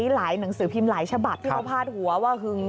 หนังสือพิมพ์หลายฉบับที่เขาพาดหัวว่าหึง